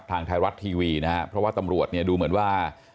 ทางไทยรัฐทีวีนะครับเพราะว่าตำรวจดูเหมือนว่า